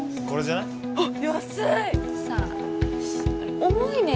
これじゃない？